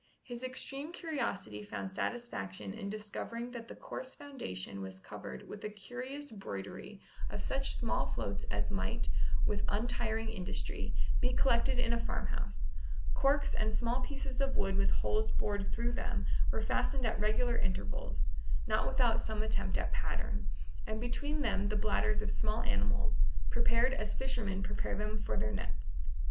His extreme curiosity found satisfaction in discovering that the coarse foundation was covered with a curious broidery of such small floats as might, with untiring industry, be collected in a farmhouse: corks and small pieces of wood with holes bored through them were fastened at regular intervals, not without some attempt at pattern, and between them the bladders of smaller animals, prepared as fishermen prepare them for their nets.